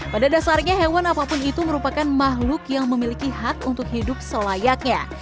pada dasarnya hewan apapun itu merupakan makhluk yang memiliki hak untuk hidup selayaknya